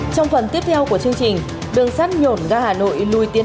trong phần tiếp theo của chương trình đường sắt nhổn ra hà nội lùi tiến